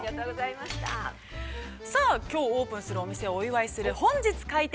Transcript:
◆さあ、きょうオープンするお店をお祝いする、「本日開店！